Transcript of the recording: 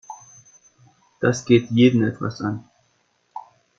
Das geht jeden etwas an.